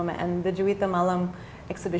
dan pemerintah juwita malam itu